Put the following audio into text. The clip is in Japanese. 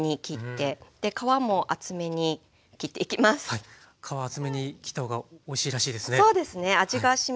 皮厚めに切った方がおいしいらしいですね。